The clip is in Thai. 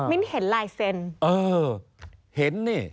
เห็นลายเซ็นเออเห็นนี่